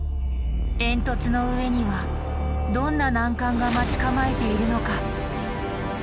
煙突の上にはどんな難関が待ち構えているのか？